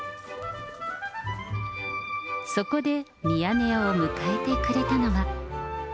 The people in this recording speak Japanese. そこでミヤネ屋を迎えてくれたのは。